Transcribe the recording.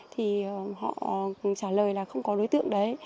thì họ trả lời là không có đối tượng đấy